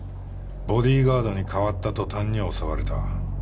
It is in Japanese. ボディーガードに代わった途端に襲われた。